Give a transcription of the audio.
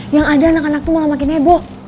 yang ada anak anak tuh malah makin nebok